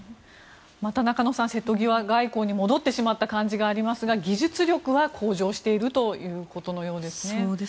また中野さん瀬戸際外交に戻ってしまった感じがしますが技術力は向上しているということのようです。